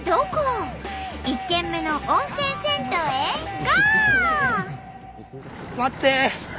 １軒目の温泉銭湯へゴー！